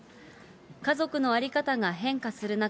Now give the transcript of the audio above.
家族の在り方が変化する中、